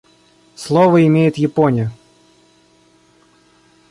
Слово имеет Япония.